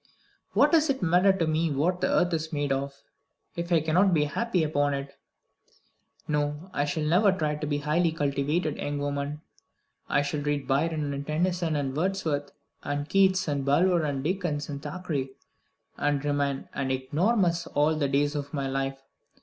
What does it matter to me what the earth is made of, if I can but be happy upon it? No, I shall never try to be a highly cultivated young woman. I shall read Byron, and Tennyson, and Wordsworth, and Keats, and Bulwer, and Dickens, and Thackeray, and remain an ignoramus all the days of my life.